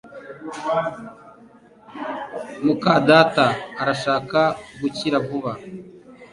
muka data arashaka gukira vuba